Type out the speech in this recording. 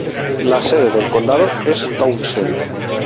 La sede del condado es Townsend.